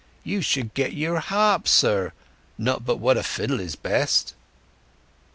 You should get your harp, sir; not but what a fiddle is best."